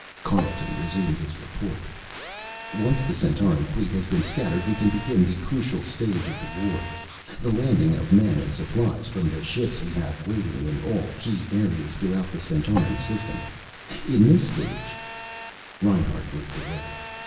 Carleton resumed his report. "Once the Centauran fleet has been scattered we can begin the crucial stage of the war. The landing of men and supplies from the ships we have waiting in all key areas throughout the Centauran system. In this stage " Reinhart moved away.